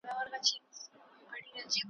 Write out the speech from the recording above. ستا د برم و دعزت ریښه ما ایښې